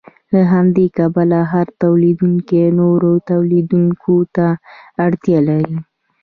له همدې کبله هر تولیدونکی نورو تولیدونکو ته اړتیا لري